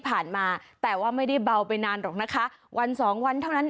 มาแต่ว่าไม่ได้เบาไปนานหรอกนะคะวันสองวันเท่านั้น